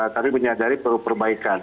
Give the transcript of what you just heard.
tapi menyadari perlu perbaikan